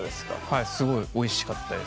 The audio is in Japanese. はいすごいおいしかったです。